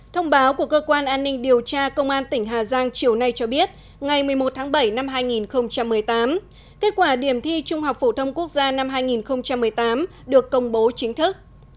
thông báo của cơ quan an ninh điều tra công an tỉnh hà giang chiều nay cho biết ngày một mươi một tháng bảy năm hai nghìn một mươi tám kết quả điểm thi trung học phổ thông quốc gia năm hai nghìn một mươi tám được công bố chính thức